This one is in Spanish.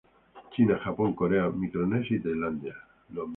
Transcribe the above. China, Japón, Corea, Micronesia, Tailandia.